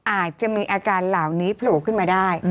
อาจจะมีอาการเหล่านี้โผล่ขึ้นมาได้